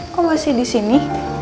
kok masih disini